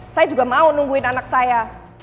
saya juga mau nungguin anak saya